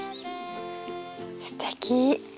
すてき。